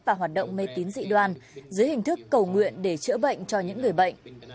và động mê tín dị đoan dưới hình thức cầu nguyện để chữa bệnh cho những người bệnh